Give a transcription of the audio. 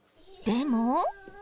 でも。